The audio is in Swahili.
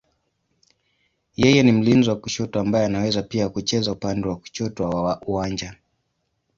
Yeye ni mlinzi wa kushoto ambaye anaweza pia kucheza upande wa kushoto wa uwanja.